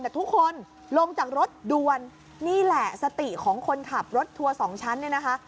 แต่ทุกคนลงจากรถด่วนนี่แหละสติของคนขับรถทัวร์สองชั้นเนี่ยนะคะ